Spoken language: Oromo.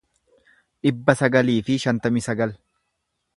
dhibba sagalii fi shantamii sagal